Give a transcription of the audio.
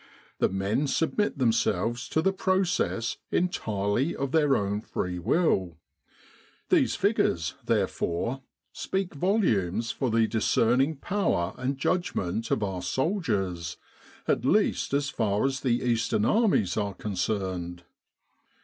The men submit themselves to the process entirely of their own free will; these 212 The Mustapha Reception Station figures, therefore, speak volumes for the discerning power and judgment of our soldiers, at least as far as the Eastern Armies are concerned.